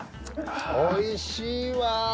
おいしいわ。